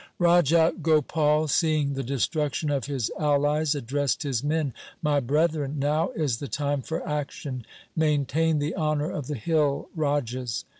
Raja Gopal, seeing the destruction of his allies, addressed his men, ' My brethren, now is the time for action. Maintain the honour of the hill rajas.'